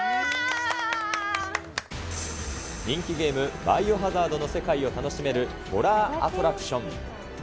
人気ゲーム、バイオハザードの世界を楽しめるホラーアトラクション。